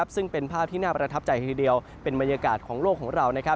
ซึ่งเป็นภาพที่น่าประทับใจทีเดียวเป็นบรรยากาศของโลกของเรา